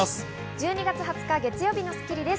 １２月２０日、月曜日の『スッキリ』です。